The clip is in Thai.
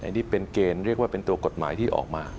อันนี้เป็นเกณฑ์เรียกว่าเป็นตัวกฎหมายที่ออกมา